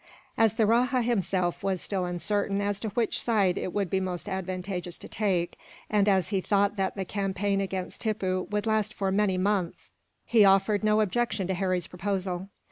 As the rajah, himself, was still uncertain as to which side it would be most advantageous to take; and as he thought that the campaign against Tippoo would last for many months; he offered no objection to Harry's proposal.